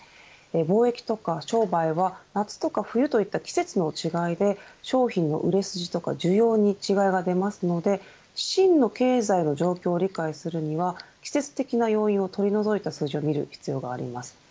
貿易とか商売は夏とか冬といった季節の違いで商品の売れ筋や需要に違いが出ますので真の経済の状況を理解するには季節的な要因を取り除いた数字を見る必要があります。